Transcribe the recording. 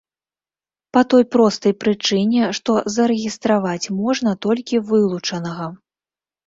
Па той простай прычыне, што зарэгістраваць можна толькі вылучанага.